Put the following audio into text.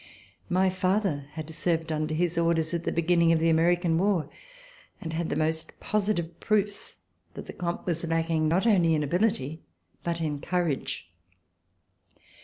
My father had served under his orders at the beginning of the American war and had the most positive proofs that the Comte was lacking not only in ability but in courage.